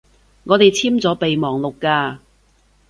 我哋簽咗備忘錄㗎